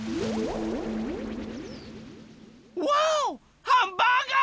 わおハンバーガー！